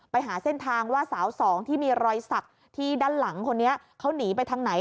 ไปหาเส้นทางว่าสาวสองที่มีรอยสักที่ด้านหลังคนนี้เขาหนีไปทางไหน